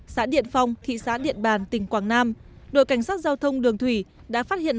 xã điện phong thị xã điện bàn tỉnh quảng nam đội cảnh sát giao thông đường thủy đã phát hiện